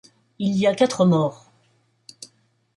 Il y a quatre morts.